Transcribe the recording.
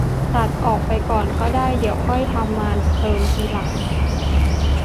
ตัดออกไปก่อนก็ได้ เดี๋ยวค่อยทำมาเติมทีหลัง